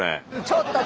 ちょっと！